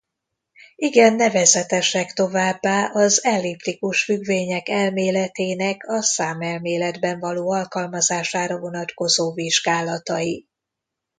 Igen nevezetesek továbbá az elliptikus függvények elméletének a számelméletben való alkalmazására vonatkozó vizsgálatai.